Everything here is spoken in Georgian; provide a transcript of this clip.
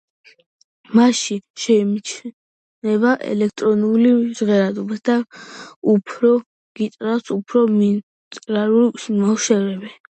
მასში შეიმჩნევა ელექტრონული ჟღერადობა და უფრო გიტარის უფრო მინიმალისტური ნამუშევარი.